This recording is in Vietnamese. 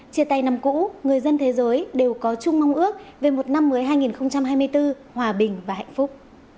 chia tay năm cũ người dân thế giới đều có chung mong ước về một năm mới hai nghìn hai mươi bốn hòa bình và hạnh phúc